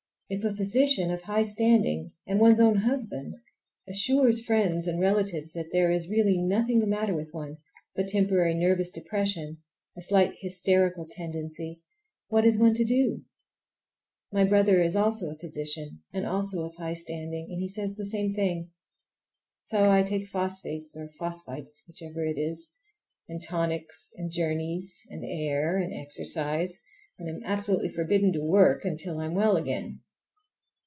If a physician of high standing, and one's own husband, assures friends and relatives that there is really nothing the matter with one but temporary nervous depression—a slight hysterical tendency—what is one to do? My brother is also a physician, and also of high standing, and he says the same thing. So I take phosphates or phosphites—whichever it is, and tonics, and journeys, and air, and exercise, and am absolutely forbidden to "work" until I am well again.